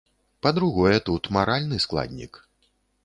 Па-другое, тут маральны складнік.